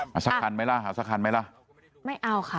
เอาสักครั้งไหมล่ะ